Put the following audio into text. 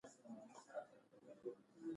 په لومړیو کې بزګران په ځمکو پورې تړلي نه وو.